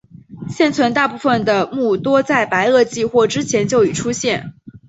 现存大部分的目多在白垩纪或之前就已出现。